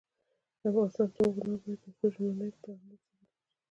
افغانستان تر هغو نه ابادیږي، ترڅو ژمنې په عمل ثابتې نشي.